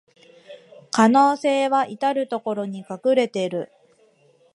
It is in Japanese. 可能性はいたるところに隠れてる